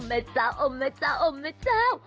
อมเมอเจ้าอมเมอเจ้าอมเมอเจ้า